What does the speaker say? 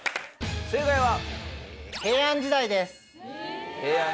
正解は。